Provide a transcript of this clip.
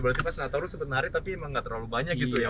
berarti pas natal sebenarnya tapi memang tidak terlalu banyak ya